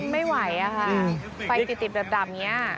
ไม่ไหวอะค่ะไฟติดดับอย่างนี้